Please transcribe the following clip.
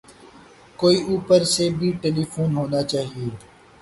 کوئی اوپر سے بھی ٹیلی فون ہونا چاہئے